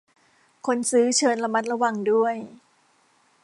คนซื้อเชิญระมัดระวังด้วย